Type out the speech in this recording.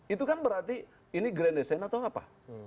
itu kan berarti ini grand design atau apa